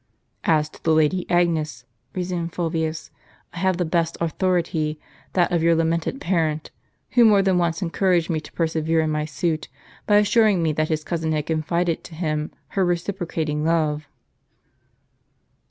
"As to the Lady Agnes," resumed Fulvius, "I have the best authority, that of your lamented parent, who more than once encouraged me to persevere in my suit, by assuring me that his cousin had confided to him her reciprocating love."